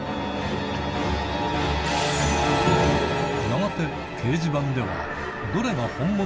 やがて掲示板ではどれがうっ！